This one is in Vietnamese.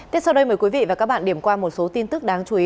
tiếp sau đây mời quý vị và các bạn điểm qua một số tin tức đáng chú ý